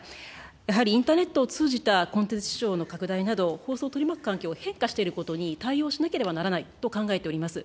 やはりインターネットを通じたコンテンツ視聴の拡大など、放送を取り巻く環境、変化していることに対応しなければならないと考えております。